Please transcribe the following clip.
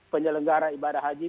penyelenggara ibadah haji